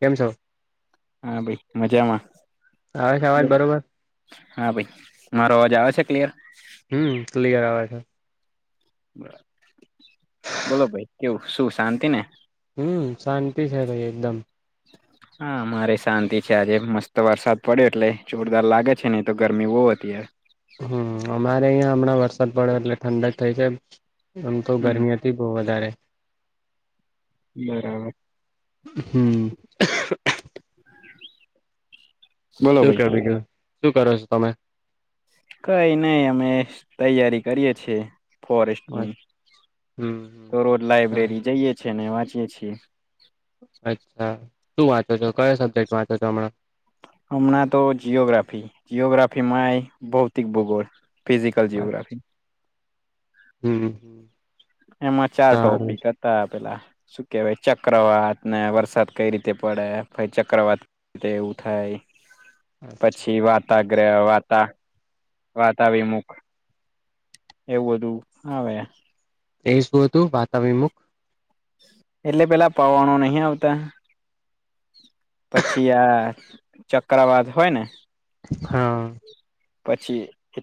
કેમ છો? હા ભાઈ મજામાં. આવે છે અવાજ બોલ બરોબર. હા ભાઈ મારો અવાજ આવે છે ક્લિયર. હમ ક્લિયર આવે છે. બોલો ભાઈ કેવું શું શાંતિ ને. હમ શાંતિ છે ભાઈ એકદમ. હા મારે શાંતિ છે આજે મસ્ત વરસાદ પડ્યો એટલે જોરદાર લાગે છે નનઈ તો ગરમી બહુ હતી યાર. હમ અમારે અહીંયા હમણાં વરસાદ પડયો એટલે ઠંડક થઈ છે આમ તો હમ ગરમી હત થી બહુ વધારે. બરાબર. હમ. બોલો શું ભાઈ કે બીજુ શું કરો છો તમે? કઈ નઈ અમે તૈયારી કરીએ છીએ. ફોરેસ્ટની હમ તો રોજ લાઈબ્રેરી જઈએ છે ને વાંચીયે છીએ. અચ્છા શું વાંચો છો કયો સબ્જેક્ટ વાંચો છો હમણાં. હમણાં તો જિઓગ્રાફી જિઓગ્રાફીમાંય ભૌતિક ભૂગોળ. ફિઝિકલ હમણાં જિ્યોગ્રાફી. હમ. એમાં ચાર સારું ટોપિક હત તા પેલા શું કેહેવાય ચક્રવાત ને વરસાદ કઈ રીતે પડે પહી ચક્રવાત રીતે એવું થાય અચ્છા. પછી વાત વાગ્ર રે વાતા વાતા વિમુખ એવું બધું આવે. એ શું હતું વાતાવિમુખ એટલે પેલા પવનો નહી આવતા પછી આ ચક્રવાત હોય ને હા. પછી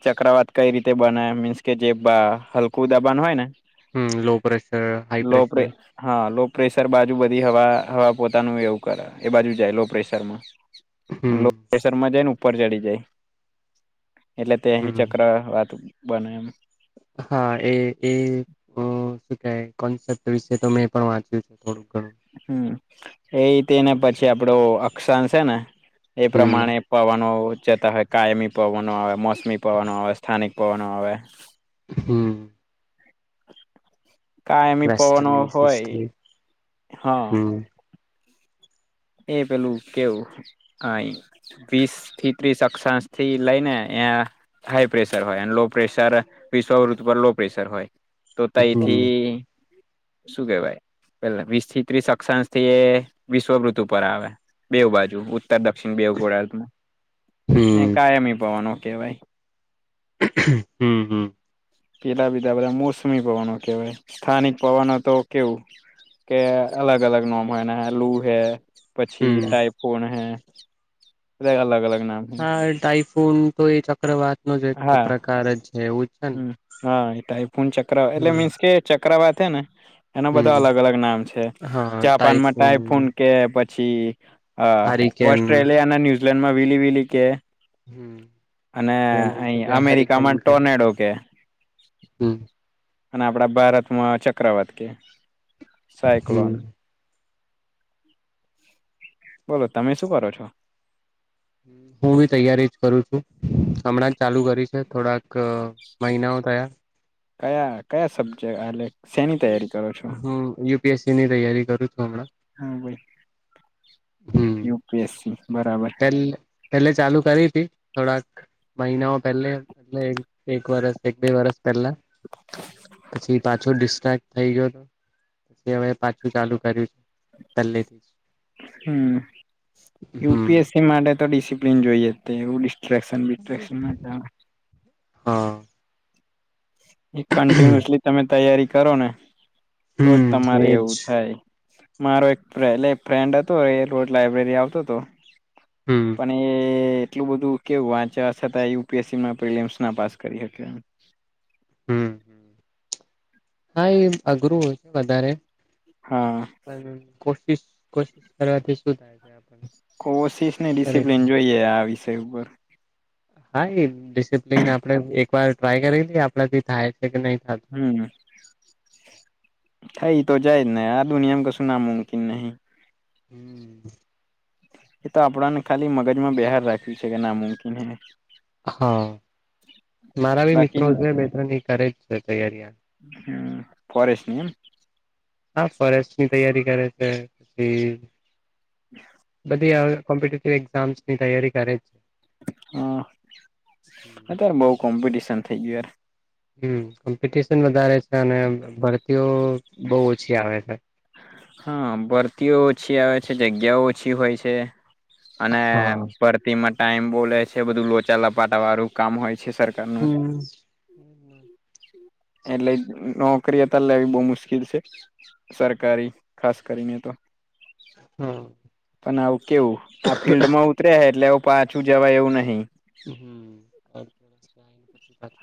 એ ચક્રવાત કઈ રીતે બને મીન્સ કે જે બા હલકું દબાાન હોય ને હમ લો પ્રેશર હાાઈ લો પ્રે પ્રેશર. હા લો પ્રેશર બાજુ બધી હવા હવા પોતાનું એવું કર એ બાજુ જાય લો પ્રેશર માં. હમ લો પ્રેશર માં જાય ને ઉપર ચડી જાય એટલે તે અહી હમ ચક્ર વાત બને એમ હા એ એ શું કય કોન્સેપ્ટ વિશે તો મેં પણ વાંચ્યું છે થોડુંક ઘણું હમ એ તે ને પછી આપડો અક્ક્ષાન છે ને એ પ્રમાણે. હમ પવનો જતા હોય કાયમી પવનો આવે મોસમી પવનો આવે સ્થાનિક પવનો આવે. હમ કાયમી પવન વેસ્ટલી હોય સિસ્ટલી હા હમ એ પેલું કેવું આઈ વીસ થી ત્રીસ અક્ષાશ થી લઈ ને એ હાઈ પ્રેશર હોય અને લો પ્રેશર વિશ્વૃતુ પર લો પ્રેશર હોય. તો ત‌ઇ હમ થી શું કેવાય પેલા વીસ થી ત્રીસ અક્ષાંશ થી એ વિશ્વવૃ ઉપર આવે બેવ બાજુ ઉત્તર દક્ષિણ બેવ ગોળાદમાં હમ કાયમી પવનો કેવાય. હું હું કેટા બીધા બધા મોસમી પવનો કેહેવાય સ્થાનિક પવનો તો કેવું. કે અલગ અલગ નોમ હોય ને લુ હે પછી હમ ટાઈપોન હે. લે અલગ અલગ નામ હે હા એ ટાઈફોન તો એ ચક્રવાત નો જ એક પ્રકાર જ છે એવું જ છે ને હું હા એ ટાયફોન ચક્ર એટલે હમ મીન્સ કે ચક્રવાત હે ને એના બધા અલગ હમ અલગ નામ છે. હા જાપાનમાં ટાઈફોન ટાઈફૂન કે પછી આ હારિકેન ઓસ્ટ્રેલિયા ને ન્યુઝીલેન્ડ માં વિલી વિલી કે. હમ અને અમુક અઈ જગ્યા અમેરિકામાં ટોનેડો. હમ્મ અને આપડા ભારતમાં ચક્રવાત કે હમ સાયક્લોન. બોલો તમે શું કરો છો? હું બી તૈયારી જ કરું છું. હમણાં જ ચાલુ કરી છે થોડાક ક મહિનાઓ થયા. કયા કયા સબ્જે અ એટલે શેની તૈયારી કરો છો? કેસીની તૈયારી કરું છું હમણાં હા ભાઈ યુપીએસસી બરાબર. પેલે પેલે ચાલુ કરી તી થોડાક મહિનાઓ પેલે એટલે એક વરસ એક બે વરસ પેલ્લા પછી પાછો ડિસ્ટ્રાક્ટ થઈ ગ્યો ત પે હવે પાછું ચાલુ કર્યું. પહેલેથી હમ જ હમ યુપીએસ તે માટે તો ડિસિપ્લિન જોઈએ તે એવું ડિસ્ટ્રેક્શન બિટ્રેકશન ના ચાલે હા કન્ટિન્યુઅસલી તમે તૈયારી કરો ને તો જ હમ તમારે એવું એજ થાય. મારો એક પ્રેલે ફ્રેન્ડ હતો એ રોટ લાઈબ્રેરી આવતો તો. હમ. પણ એ એટલું બધું કેવું વાંચ સતાં એ યુપીએસસીમાં પ્રિલીમ્સ ના પાસ કરી હકે. હમ હા એ અઘરું હોય વધારે હા પણ કોશિશ કોશિશ કરવાથી શું થાય આપણને કોશિશ ન‌ઈ કરે ડિસિપ્લીન જોઈએ આ વિષય ઉપર હા એ ડિસિપ્લીન આપડે એક વાર ટ્રાય કરી લીએ આપડા થી થાય છે કે નહી થાય. હમ થઈ તો જાય જ ને આ દુનિયામાં કશું નામુમકીન નહી [inaudible] એ તો આપડાને ખાલી મગજમાં બેહાર રાખ્યું છે કે નામુમકીન હે. હા મારા બી બાકી મિત્રો છે બે ત્રણ એ કરે જ છે તૈયારીયા. હું ફોરેસ્ટ નિ એમ. હા ફોરેસ્ટ ની તૈયારી કરે છે. પહી બધી આવ કોમ્પિટીટિવ એક્ઝામ્સ ની તૈયારી કરે જ છે. હા અતાર બઉ કોમ્પિટિશન થઇ ગયું યાર. હમ કોમ્પિટિશન વધારે છે અને ભરતીઓ બઉ ઓછી આવે હે. હા ભરતીઓ ઓછી આવે છે જગ્યાઓ ઓછી હોય છે અને. હા ભરતીમાં ટાઈમ બો લે છે બધું લોચા લપાટા વારું કામ હોય છે સરકારનું. હમ એટલે જ નોકરી અતાર લેવી બો મુશ્કીલ છે સરકારી ખાસ કરીને તો. હા પન આવું કેવું આ ફિલ્ડમાં ઉ. ત્રેહે એટલે અવ પાછું જવાય એવું નહી. હું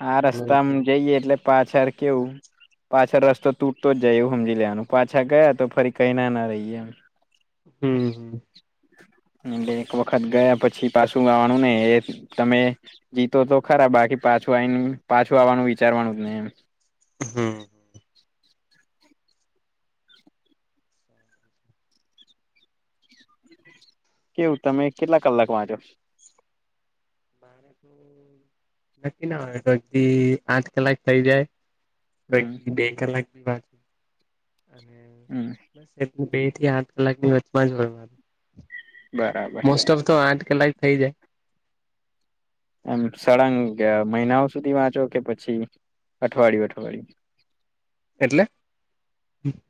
આ રસ્તામાં જઈએ એટલે પાછળ કેવ. પાછળ રસ્તો તૂટતો જ જાય એવું સમજી લેવાનું પાછા ગયા તો ફરી કહી ના ના રહીએ એમ. [inaudible] હમ [unintelligible] એલે એક વખત ગયા પછી પાછું આવવાનું ને એ તમે. ગીતો તો ખરા બાકી પાછું આવી પાછું આવવાનું વિચારવાનું જ નહી એમ. હમ હ. કેવું તમે કેટલા કલાક વાંચો. નક્કી ના આવે તો અગી આઠ કલાક થઈ જાય. કઈક હમ થી બે કલાકી બા અને. હમ. બે થી આઠ કલાકની વમાં જ બરાબર મોસ્ટ ઓફ તો આઠ લા થઈ જાય. એમ સળંગ મહિનાઓ સુધી વાંચો કે પછી અઠવાડિયું અઠવાડિયું. એટલે.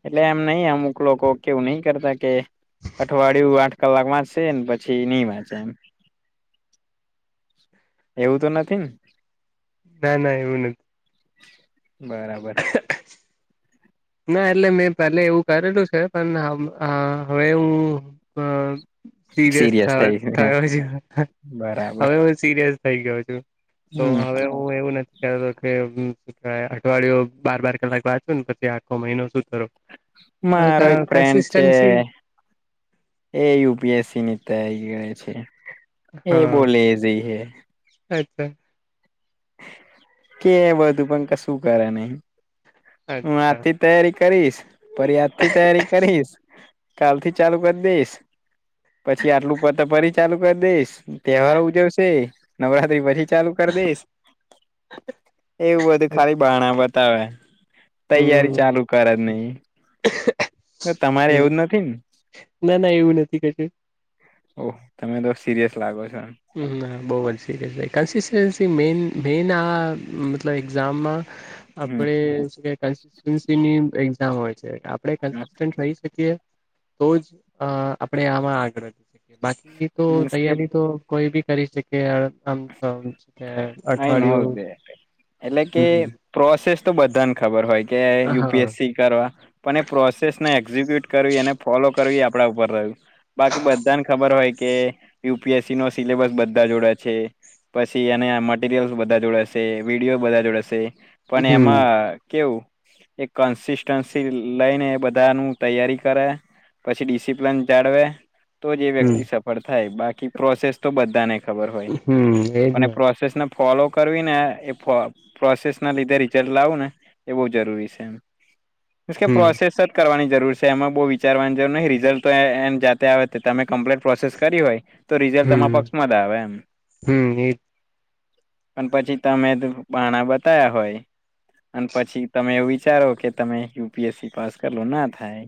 એટલે એમ નહ અમુક લોકો કેવું નહ કરતા કે. અઠવાડિયું આઠ કલાક વાંચશેને પછી નહી વાંચે એમ. એવું તો નથી ને. ના ના એવન જ. બરાબર. [inaudible] ના એટલે મેં પહેલે એવું કરેલું છે પણ હવે હું. સિરયસ સિરિયસ થ થઈ ગયું. થયો બરાબર હવે. સિરિયસ થઈ ગયો છું તો હમ હવે. હું એવું નથી કતો કેવાય અઠવાડિયું બાર બાર કલાક બાદ છું ને પછી. છ મહિનો સુ કરો. મારો એક ફ્રેન્ડ છે એ યુપીએસસી ની તય ગયા છે એ હા બોલે જઈ હ અચ્છા કે બધું પણ ક શું કરે નહી હું અચ્છા આથી. તૈયારી કરીશ ફરિયાદ થી તૈયારી કરીશ. કાલ થી ચાલુ કરી દઈશ. પછી આટલું પત ફરી ચાલુ કરી દઈશ તહેવારો ઉજવશે નવરાત્રી પછી. ચાલુ કરી દઈશ. એવું બધું ખાલી બાણા બતાવે. તૈયારી હમ ચાલુ કર જ નહી તમારે હમ એવું જ નથી ને ના ના એવું નથી કજ ઓહ તમે તો સિરિયસ લાગો છોને બહુ જ સીરયસ છે કન્સિસ્ટન્સી મેન મેન આ મતલબ એક્ઝામમાં હમ આપડે કન્સસ્ટન્સીની એક્ઝામ હોય છે આપડણે કન્સિસ્ટન્ટ રહી શકીએ તો જ આપણે આમાં આગળ વધી શકીએ બાકી તો મીન્સ કે તૈયારી તો કોઈ બી કરી શકે આમ કે આઈ નો અઠવાડિયું થેટ એટલે કે હમ પ્રોસેસ તો બધાને ખબર હોય કે હા યુપીએસસી કરવા પણ એ પ્રોસેસને એક્ઝિક્યુટ કરવી એને ફોલો કરવી આપણા ઉપર રહ્યું બાકી બધાને ખબર હોય કે યુપીએસસી નો સિલેબસ બધા જોડે છે પછી એના મટરિયલ્સ બધા જોડાશે વિડીયો બધા જોડાશે પણ હમ એમાં કેવું એક કન્સિસ્ટન્સી લઈને બધા નુ તૈયારી કરે પછી ડિસિપ્લિન જાળવે તો જે વ્યક્તિ હમ સફળ થાય બાકી પ્રોસેસ તો બધાને ખબર હોય હમ્મ અને પ્રોસેસ ને ફોલો કરવી ને એ પ્રોસેસ ના લીધે રિઝલ્ટ લાવું ને એ બહુ જરૂરી છે એમ હમ પ્રોસેસ જ કરવાની જરૂર છે એમાં બહુ વિચારવા ન રિઝલ્ટ તો એમ તમે કમ્પ્ટ પ્રોસેસ કરી હોય તો રિઝલ્ટ તમારા પક્ષમાં જ આવે એમ હમ્મ એ પણ પછી તમે બાણા બતા્યા હોય અને પછી તમે એવું વિચારો કે તમે યુપીએસસી પાસ પેલું ના થાય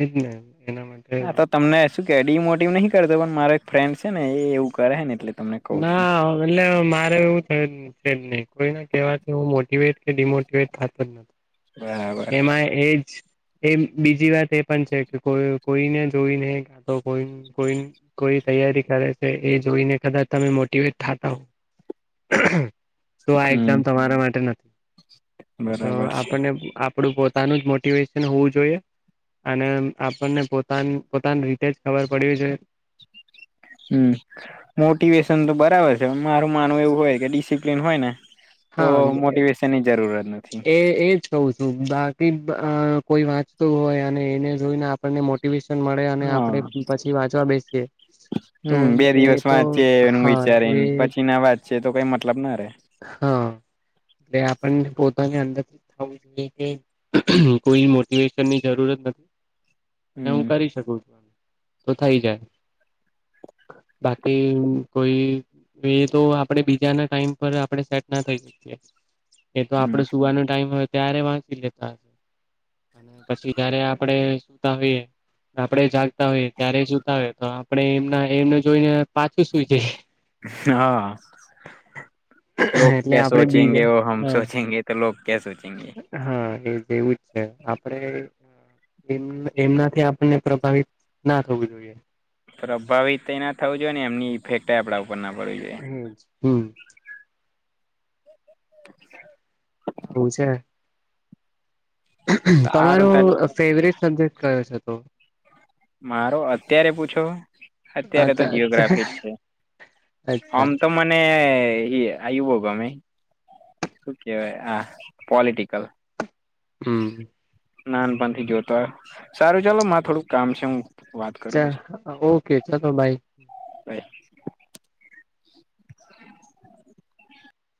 એજ ને એના માટે આ તો તમને શું કેડી મોટીવ નહી કરતો પણ મારો એક ફ્રેન્ડ છે ને એવું કરે ને એટલે તમને કઉું છું ના એટલે મારે એવું થય છે નહી કોઈ ના કવાથી હું મો ડીમોટીવેટ થતો જ બરાબર નથી એમાં એજ એ બીજી વાત એ પણ છે કે કોઈ કોઈને જોઈને કાં તો કોઈ કોઈ કોઈ તૈયારી કરે છે એ જોઈને કદાચ તમે મોટવેટ થતા હો તો આ હમ એક્ઝામ તમારા માટે નથી તો બરાબર છે આપને આપડું પોતાનું જ મોટિવેશન હોવું જોઈએ અને આપણને પોતા પોતાની રીતે જ ખબર પડ્યું છે હમ્મ મોટિવેશન તો બરાબર છે મારું માનવું એવું હોય કે ડિસિપ્લિન હોય ને તો હા મોટિવેશનની જરૂરત નથી એ એ જ શું બાકી કોઈ એ વાંચતું હોય અને એને જોઈને આપને મોટિવેશન મળે અને આપડે પછી વાંચવા બેસીએ તો હમ્મ બે એ દિવસ તો વાંત છે એનું હા એ વિચારીને પછી ના વાત છે તો કઈ મતલબ ના રે હા તે આપણને પોતાની અંદરથી થવું જોઈએ કે કોઈ મોટિવેશન ની જરૂરત નથી અને હું હમ કરી શકું છું આ તો થઈ જાય બાકી કોઈ એ તો આપડે બીજાના ટાઈમ આપે સેટ ના થઈકી એ તો આપડે હમ સુવાનો ટાઈમ હોય ત્યારે વાચી લેતા હશે અને પછી જયારે આપણે સુતા હોઈએ આપડે જાગતા હોઈએ ત્યારે સુતા હોય તો આપણે એમના એમને જોઈને પાછું સુઈ જઈએ હા લોક એટલે ક્યા આપડે સોચેગે બીજા ઓ હમ હા સોચેગે તો લગ ક્યા સોચેગે હા એ જેવું જ છે આપડે એમનાથી આપણને પ્રભાવિત ના થવું જોઈએ પ્રભાવિત એના થવું જોઈ ને એમની ઇફેક્ટ આપણા ઉપર ના પડવી જોઈએ હમ હમ [inaudible] હું છે. સારું તમારો ત ફેવરેટ સબ્જેક્ટ કયો છે તો? મારો અત્યારે પૂછો? અત્યારે તો અચ્છા જીઓગ્રાફી જ છે અચ્છા આમ તો મને અનેને એ આયુ બ ગમે. શું કેવાય આ પોલિટિકલ. હમ. નાનપણ થી જોતો સારું ચાલો મા થોડુંક કામ છે હું વાત ચા ઓકે ચાલો બાઈ. હ. [inaudible]